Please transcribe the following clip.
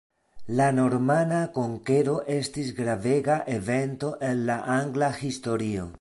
La normana konkero estis gravega evento en la angla historio.